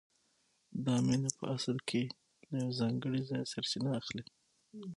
دا مینه په اصل کې له یو ځانګړي ځایه سرچینه اخلي